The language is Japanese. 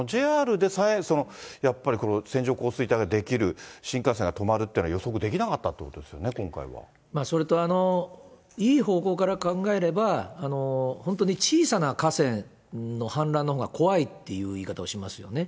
ＪＲでさえ、やっぱり線状降水帯が出来る、新幹線が止まるっていうのは予測できなかったってことですよね、それといい方向から考えれば、本当に小さな河川の氾濫のほうが怖いっていう言い方をしますよね。